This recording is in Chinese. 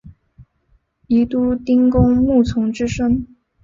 宜都丁公穆崇之孙。